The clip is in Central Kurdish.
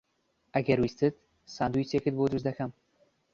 ئەگەر ویستت ساندویچێکت بۆ دروست دەکەم.